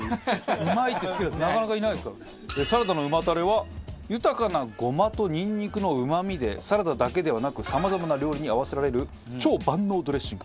サラダの旨たれは豊かなゴマとニンニクのうま味でサラダだけではなくさまざまな料理に合わせられる超万能ドレッシング。